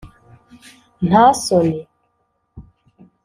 nta soni